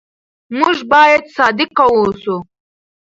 موږ باید صادق واوسو.